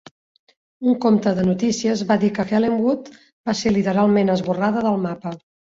Un compte de notícies va dir que Helenwood va ser literalment esborrada del mapa.